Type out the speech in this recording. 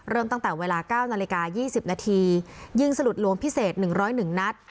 เริ่มตั้งแต่เวลาเก้านาฬิกายี่สิบนาทียิงสลุดหลวงพิเศษหนึ่งร้อยหนึ่งนัด